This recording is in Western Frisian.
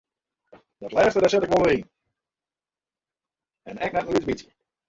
Dat lêste siet ik wol oer yn en ek net in lyts bytsje.